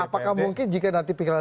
apakah mungkin jika nanti pikiran